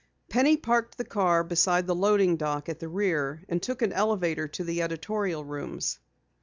Penny parked the car beside the loading dock at the rear, and took an elevator to the editorial rooms.